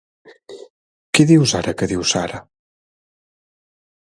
Què dius ara que diu Sara?